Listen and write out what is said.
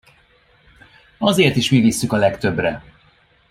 Azért is mi visszük a legtöbbre!